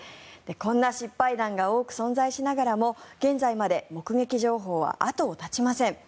こんな失敗談が多く存在しながらも現在まで目撃情報は後を絶ちません。